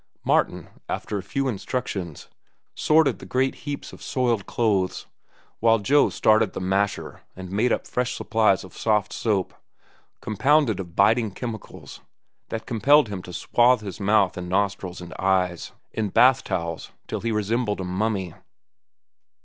Martin, after a few instructions, sorted the great heaps of soiled clothes, while Joe started the masher and made up fresh supplies of soft soap, compounded of biting chemicals that compelled him to swathe his mouth and nostrils and eyes in bath towels till he resembled a mummy.